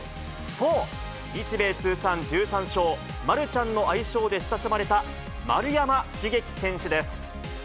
そう、日米通算１３勝、マルちゃんの愛称で親しまれた丸山茂樹選手です。